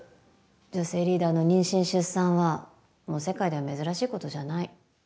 女性リーダーの妊娠、出産はもう世界では珍しいことじゃない。